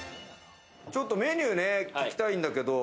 ちょっとメニューね、聞きたいんだけれども。